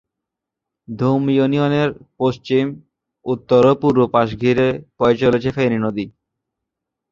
ধুম ইউনিয়নের পশ্চিম, উত্তর ও পূর্ব পাশ ঘিরে বয়ে চলেছে ফেনী নদী।